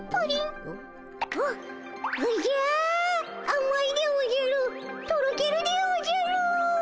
あまいでおじゃるとろけるでおじゃる！